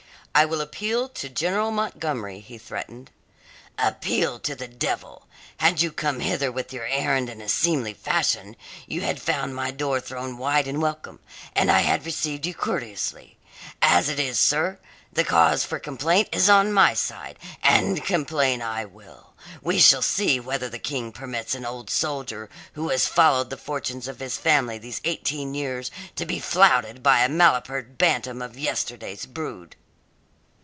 "I will appeal to General Montgomery," he threatened. "Appeal to the devil! Had you come hither with your errand in a seemly fashion you had found my door thrown wide in welcome, and I had received you courteously. As it is, sir, the cause for complaint is on my side, and complain I will. We shall see whether the King permits an old soldier who has followed the fortunes of his family these eighteen years to be flouted by a malapert bantam of yesterday's brood!"